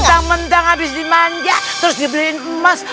mentang mentang habis dimanja terus dibeliin emas